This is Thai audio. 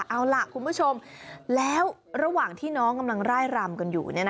เอาล่ะคุณผู้ชมแล้วระหว่างที่น้องกำลังไล่รำกันอยู่